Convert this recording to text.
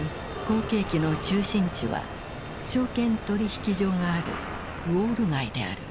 好景気の中心地は証券取引所があるウォール街である。